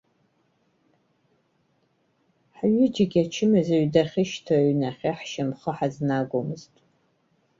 Ҳҩыџьагьы ачымазаҩ дахьышьҭоу аҩнахьы ҳшьамхы ҳазнагомызт.